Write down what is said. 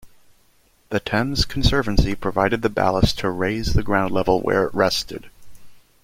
The Thames Conservancy provided the ballast to raise the ground level where it rested.